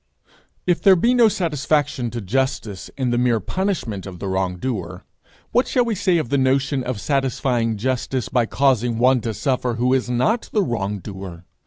If there be no satisfaction to justice in the mere punishment of the wrong doer, what shall we say of the notion of satisfying justice by causing one to suffer who is not the wrong doer?